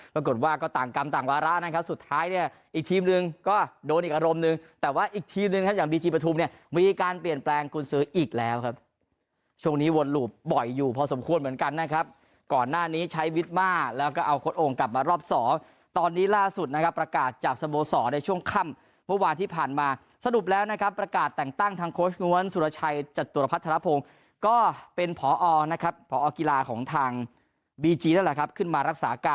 ปรากฏว่าก็ต่างกรรมต่างวาระนะครับสุดท้ายเนี่ยอีกทีมหนึ่งก็โดนอีกอารมณ์หนึ่งแต่ว่าอีกทีมหนึ่งครับอย่างบีจีปธุมเนี่ยมีการเปลี่ยนแปลงกรุณสืออีกแล้วครับช่วงนี้วนหลูบบ่อยอยู่พอสมควรเหมือนกันนะครับก่อนหน้านี้ใช้วิทม่าแล้วก็เอาคนองค์กลับมารอบสอตอนนี้ล่าสุดนะครับประกาศจากสโมสอ